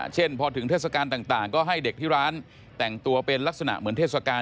พอถึงเทศกาลต่างก็ให้เด็กที่ร้านแต่งตัวเป็นลักษณะเหมือนเทศกาล